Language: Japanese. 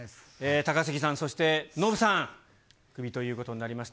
高杉さん、そしてノブさん、クビということになりました。